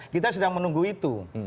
kita sedang menunggu itu